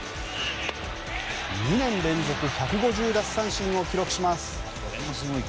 ２年連続１５０奪三振を記録します。